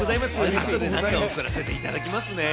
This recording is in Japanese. あとで何か贈らせていただきますね。